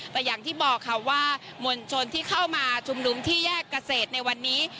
แต่อย่างที่บอกค่ะว่ามวลชนที่เข้ามาชุมนุมที่แยกเกษตรในวันนี้